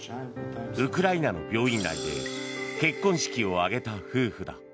ウクライナの病院内で結婚式を挙げた夫婦だ。